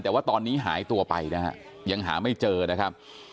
แต่ว่าตอนนี้หายตัวไปนะฮะยังหาไม่เจอนะครับ